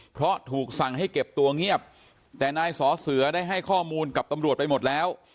เพราะถูกสั่งให้เก็บตัวเงียบแต่นายสอเสือได้ให้ข้อมูลกับตำรวจไปหมดแล้ว